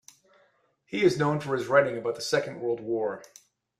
He is known for his writing about the Second World War.